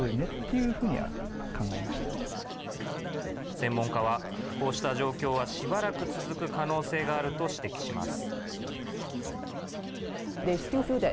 専門家は、こうした状況はしばらく続く可能性があると指摘します。